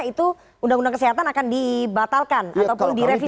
itu undang undang kesehatan akan dibatalkan ataupun direvisi